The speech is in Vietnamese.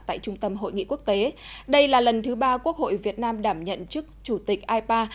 tại trung tâm hội nghị quốc tế đây là lần thứ ba quốc hội việt nam đảm nhận chức chủ tịch ipa